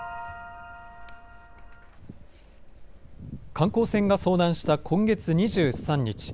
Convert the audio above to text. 観光船が遭難した今月２３日。